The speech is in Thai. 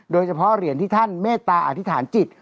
โดยเฉพาะเหรียญที่ท่านเมตตาอธิษฐานจิต